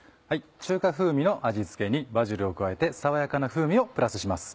中華風味の味付けにバジルを加えて爽やかな風味をプラスします。